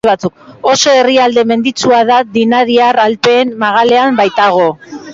Oso herrialde menditsua da, Dinariar Alpeen magalean baitago.